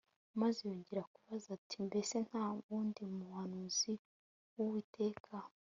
Maze yongera kubaza ati Mbese nta wundi muhanuzi wUwiteka